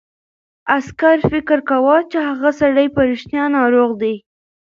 عسکر فکر کاوه چې هغه سړی په رښتیا ناروغ دی.